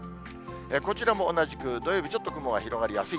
こちらも同じく土曜日、ちょっと雲が広がりやすい。